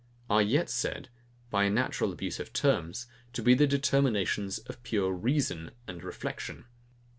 are yet said, by a natural abuse of terms, to be the determinations of pure REASON and reflection.